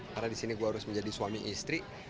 karena di sini gue harus menjadi suami istri